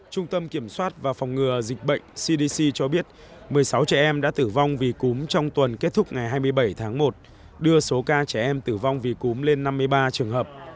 trung tâm kiểm soát và phòng ngừa dịch bệnh cdc cho biết một mươi sáu trẻ em đã tử vong vì cúm trong tuần kết thúc ngày hai mươi bảy tháng một đưa số ca trẻ em tử vong vì cúm lên năm mươi ba trường hợp